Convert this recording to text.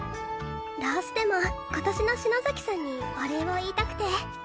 どうしても今年の篠崎さんにお礼を言いたくて。